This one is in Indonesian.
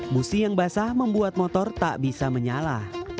musi yang basah membuat motor tak bisa menyala